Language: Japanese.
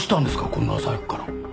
こんな朝早くから。